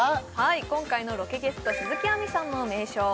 今回のロケゲスト鈴木亜美さんの愛称